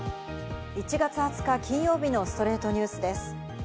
１月２０日、金曜日の『ストレイトニュース』です。